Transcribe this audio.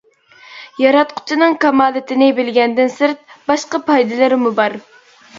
ياراتقۇچىنىڭ كامالىتىنى بىلگەندىن سىرت، باشقا پايدىلىرىمۇ بار.